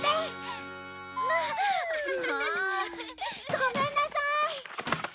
ごめんなさい。